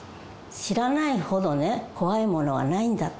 知らないほどね、怖いものはないんだって。